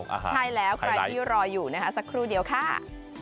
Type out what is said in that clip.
ใช่แล้วใครที่รออยู่นะคะสักครู่เดียวค่ะ